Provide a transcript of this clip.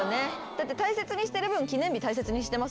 だって大切にしてる分記念日大切にしてますよね？